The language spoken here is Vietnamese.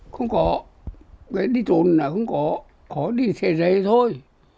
không có đi trồn là không có họ đi xe rầy thôi